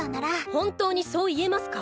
本当にそう言えますか？